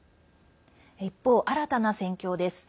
一方、新たな戦況です。